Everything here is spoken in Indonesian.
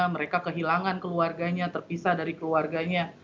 mereka kehilangan keluarganya terpisah dari keluarganya